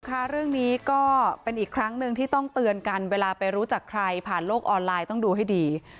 ค่ะเรื่องนี้ก็เป็นอีกครั้งหนึ่งที่ต้องเตือนกันเวลาไปรู้จักใครผ่านโลกออนไลน์ต้องดูให้ดี